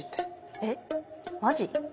えっマジ？